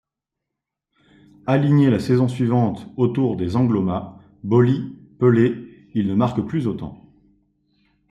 Aligné la saison suivante autour des Angloma, Boli, Pelé, il ne marque plus autant.